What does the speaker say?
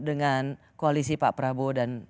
dengan koalisi pak prabowo dan